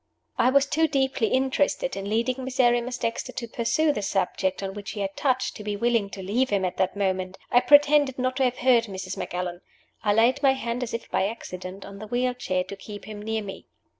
I was too deeply interested in leading Miserrimus Dexter to pursue the subject on which he had touched to be willing to leave him at that moment. I pretended not to have heard Mrs. Macallan. I laid my hand, as if by accident, on the wheel chair to keep him near me.